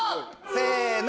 せの！